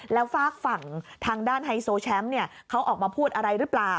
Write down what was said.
แล้วฝากฝั่งทางด้านไฮโซแชมป์เขาออกมาพูดอะไรหรือเปล่า